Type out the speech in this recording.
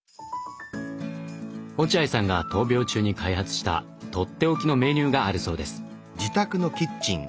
落合さんが闘病中に開発したとっておきのメニューがあるそうです。